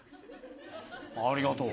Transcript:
ありがとう。